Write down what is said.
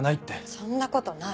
そんなことない。